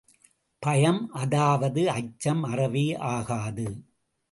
பயம், அதாவது அச்சம் அறவே ஆகாது!